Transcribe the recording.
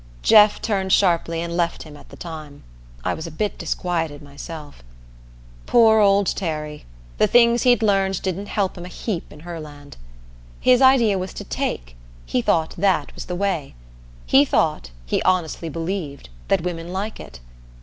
Jeff turned sharply and left him at the time. I was a bit disquieted myself. Poor old Terry! The things he'd learned didn't help him a heap in Herland. His idea was to take he thought that was the way. He thought, he honestly believed, that women like it.